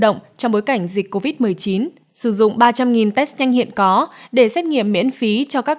động trong bối cảnh dịch covid một mươi chín sử dụng ba trăm linh test nhanh hiện có để xét nghiệm miễn phí cho các